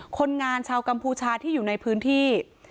คนงานชาวกัมพูชาที่อยู่ในพื้นที่